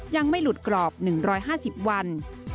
ยังไม่หลุดกรอบ๑๕๐วัน